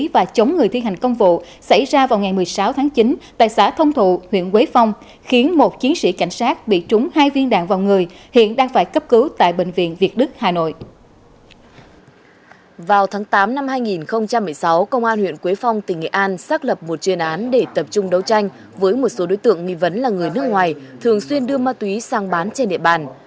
vào tháng tám năm hai nghìn một mươi sáu công an huyện quế phong tỉnh nghệ an xác lập một chuyên án để tập trung đấu tranh với một số đối tượng nghi vấn là người nước ngoài thường xuyên đưa ma túy sang bán trên địa bàn